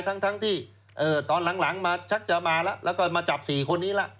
ทั้งที่ตอนหลังมาชักจะมาแล้วก็มาจับสี่คนนี้แล้ว